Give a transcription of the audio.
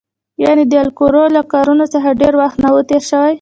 یعنې د لکړو له کارولو څخه ډېر وخت نه و تېر شوی.